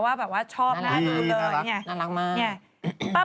ป้าปูกาหรือว่า